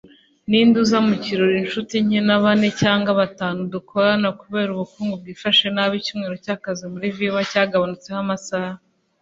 Ninde uza mu kirori Inshuti nkeya na bane cyangwa batanu dukorana Kubera ubukungu bwifashe nabi icyumweru cyakazi muri VW cyagabanutseho amasaha